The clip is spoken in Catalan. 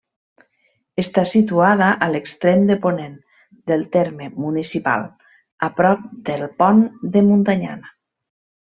Està situada a l'extrem de ponent del terme municipal, a prop del Pont de Montanyana.